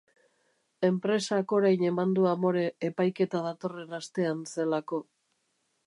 Enpresak orain eman du amore epaiketa datorren astean zelako.